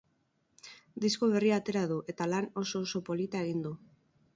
Disko berria atera du, eta lan oso-oso polita egin du.